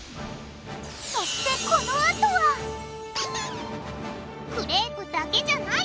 そしてこのあとはクレープだけじゃない！